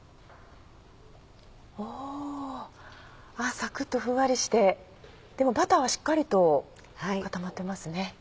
サクっとふんわりしてでもバターはしっかりと固まってますね。